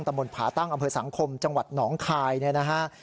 มนต์ผาตั้งอำเภอสังคมจังหวัดหนองคายเนี่ยนะฮะ